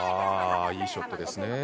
いいショットですね。